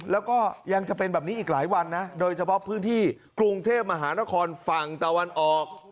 แล้วก็ยังจะเป็นแบบนี้อีกหลายวันนะโดยเฉพาะพื้นที่กรุงเทพมหานครฝั่งตะวันออก